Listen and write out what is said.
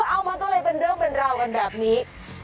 เอามันก็เลยเป็นเรื่องเป็นราวกันแบบนี้